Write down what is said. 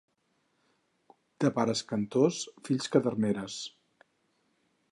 De pares cantors, fills caderneres.